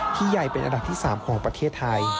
ใหญ่เป็นอันดับที่๓ของประเทศไทย